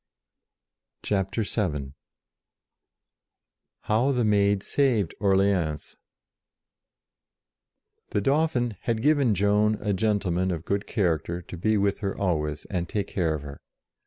CHAPTER VII HOW THE MAID SAVED ORLEANS THE Dauphin had given Joan a gentle man of good character to be with her always, and take care of her.